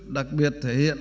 đặc biệt thể hiện